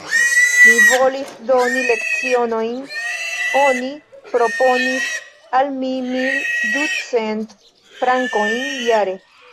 Mi volis doni lecionojn: oni proponis al mi mil ducent frankojn jare.